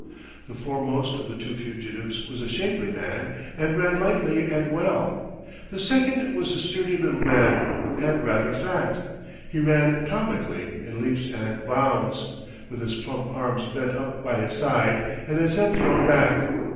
The foremost of the two fugitives was a shapely man, and ran lightly and well; the second was a sturdy little man, and rather fat. He ran comically in leaps and bounds, with his plump arms bent up by his side and his head thrown back.